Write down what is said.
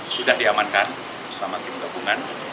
sudah diamankan bersama tim gabungan